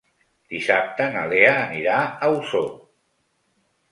Dissabte na Lea anirà a Osor.